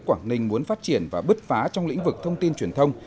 quảng ninh muốn phát triển và bứt phá trong lĩnh vực thông tin truyền thông